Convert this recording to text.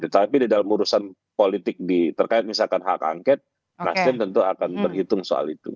tapi di dalam urusan politik terkait misalkan hak angket nasdem tentu akan berhitung soal itu